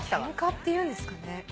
ケンカっていうんですかね。